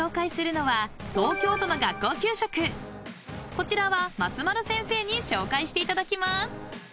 ［こちらは松丸先生に紹介していただきます］